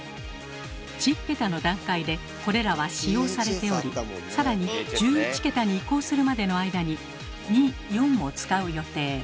１０桁の段階でこれらは使用されており更に１１桁に移行するまでの間に２・４も使う予定。